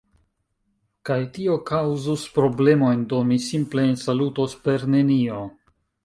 Kaj tio kaŭzus problemojn do mi simple ensalutos per nenio.